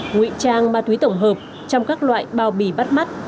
ngụy trang ma túy tổng hợp trong các loại bao bì bắt mắt